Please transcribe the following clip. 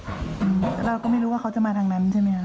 เพราะพ่อเชื่อกับจ้างหักข้าวโพด